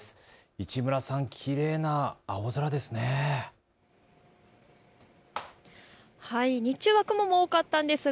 市村さん、きれいな青空ですね。